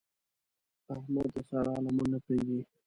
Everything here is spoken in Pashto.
احمد د سارا لمن نه پرېږدي.